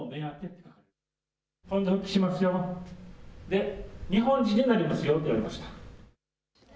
で、日本人になりますよって言われました。